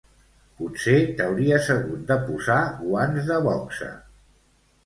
Potser t'hauries hagut de posar guants de boxa.